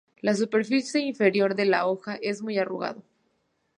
La superficie inferior de la hoja es muy arrugado.